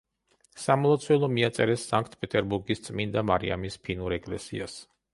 სამლოცველო მიაწერეს სანქტ-პეტერბურგის წმინდა მარიამის ფინურ ეკლესიას.